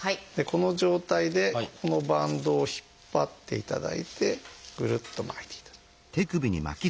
この状態でこのバンドを引っ張っていただいてぐるっと巻いていただく。